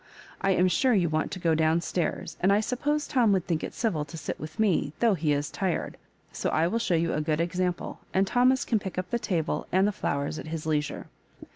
I am sure you want to go down stairs, and I suppose Tom would think it civil to sit with me, though he is tired ; so I will show you a good example, and Thomas can pick up the table and the flowers at his leisure.